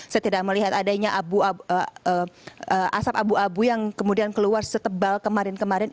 saya tidak melihat adanya asap abu abu yang kemudian keluar setebal kemarin kemarin